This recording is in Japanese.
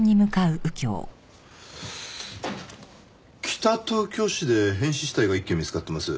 北東京市で変死体が１件見つかってます。